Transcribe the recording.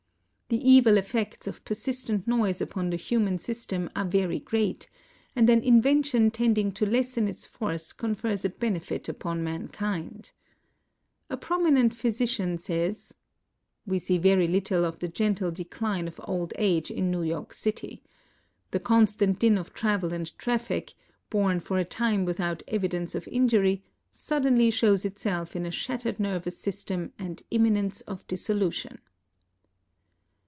The evil effects of persistent noise upon the human system are very great, and an invention tend ing to lessen its force confers a benefit upon mankind. A prominent New York physician says :" "We see very little of the gentle decline of old age in New York City. The constant din of travel and traffic, borne for a time without evidence of injury, suddenly shows itself in a shattered nervous system and imminence of dissolution."